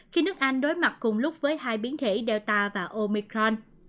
khi nước anh đối mặt cùng lúc với hai biến thể delta và omicron